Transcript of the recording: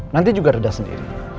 nanti juga reda sendiri